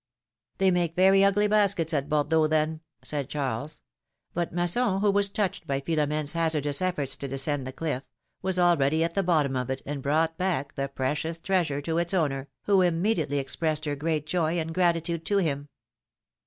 ^^ They make very ugly baskets at Bordeaux, then,^' said Charles; but Masson, who was touched by Philo in^ne's hazardous efforts to descend the cliff, was already at the bottom of it, and brought back the precious treasure to its owner, who immediately expressed her great joy and gratitude to him.